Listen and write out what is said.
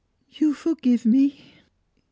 " You forgive me ?